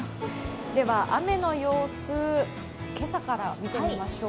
雨の様子、今朝から見てみましょう。